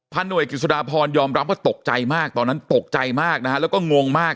หน่วยกิจสุดาพรยอมรับว่าตกใจมากตอนนั้นตกใจมากนะฮะแล้วก็งงมาก